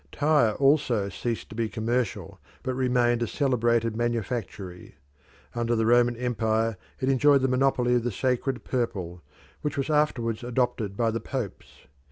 Tyre also ceased to be commercial, but remained a celebrated manufactory. Under the Roman empire it enjoyed the monopoly of the sacred purple, which was afterwards adopted by the popes.